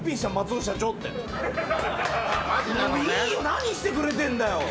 何してくれてんだよ。